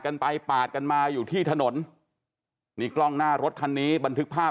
กันไปปาดกันมาอยู่ที่ถนนนี่กล้องหน้ารถคันนี้บันทึกภาพ